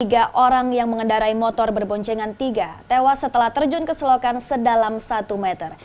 tiga orang yang mengendarai motor berboncengan tiga tewas setelah terjun ke selokan sedalam satu meter